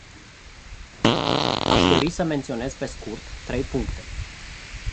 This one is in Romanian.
Aș dori să menționez pe scurt trei puncte.